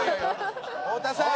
太田さん。